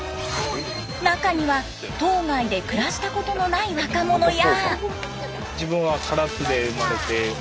中には島外で暮らしたことのない若者や。